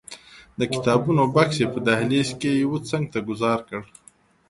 د کتابونو بکس یې په دهلیز کې یوه څنګ ته ګوزار کړ.